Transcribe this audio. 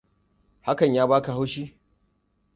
Hakan ya baka haushi?